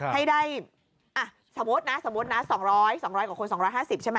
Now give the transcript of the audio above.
ให้ได้สมมตินะ๒๐๐กว่าคน๒๕๐ใช่ไหม